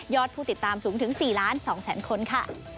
ผู้ติดตามสูงถึง๔ล้าน๒แสนคนค่ะ